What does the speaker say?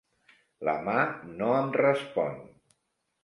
La mà no em respon.